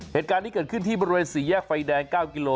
เหตุการณ์นี้เกิดขึ้นที่บริเวณ๔แยกไฟแดง๙กิโล